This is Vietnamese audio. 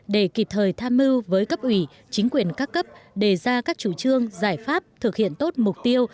để kịp thời tham mưu với cấp ủy chính quyền các cấp đề ra các chủ trương giải pháp thực hiện tốt mục tiêu